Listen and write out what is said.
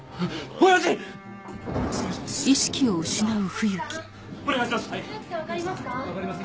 お願いします！